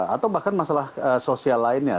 atau bahkan masalah sosial lainnya